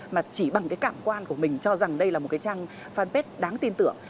mà chỉ bằng cảm quan của mình cho rằng đây là một trang fanpage đáng tin tưởng